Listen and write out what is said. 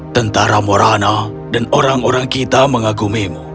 tentara morana dan orang orang kita mengagumimu